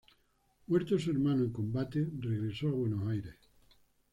Muerto su hermano en combate regresó a Buenos Aires.